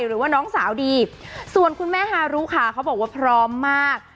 หรือว่าน้องสาวดีส่วนคุณแม่ฮารุค่ะเขาบอกว่าพร้อมมาก